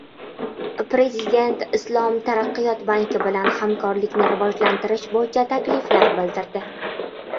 Prezident Islom taraqqiyot banki bilan hamkorlikni rivojlantirish bo‘yicha takliflar bildirdi